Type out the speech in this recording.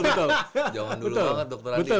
jaman dulu banget dokternya